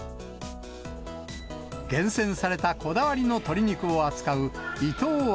厳選されたこだわりの鶏肉を扱う伊藤和